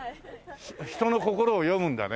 人の心を読むんだね。